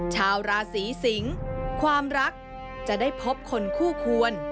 ชาวราศีสิงศ์ความรักจะได้พบคนคู่ควร